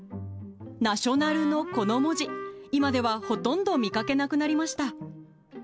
ＮＡＴＩＯＮＡＬのこの文字、今ではほとんど見かけなくなりました。